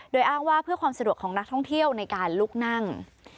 โดยอ้างว่าเพื่อความสะดวกของนักท่องเที่ยวในการลุกนั่ง